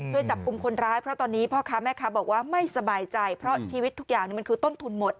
ช่วยจับกลุ่มคนร้ายเพราะตอนนี้พ่อค้าแม่ค้าบอกว่าไม่สบายใจเพราะชีวิตทุกอย่างมันคือต้นทุนหมด